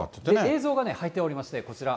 映像が入っておりまして、こちら。